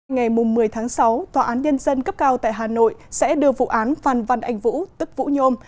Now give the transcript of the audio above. ngày một mươi tháng sáu tòa án nhân dân cấp cao tại hà nội sẽ đưa vụ án phan văn anh vũ tức vũ nhôm